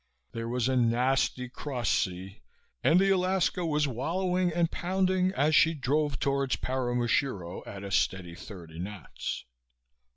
There was a nasty cross sea and the Alaska was wallowing and pounding as she drove towards Paramushiro at a steady 30 knots.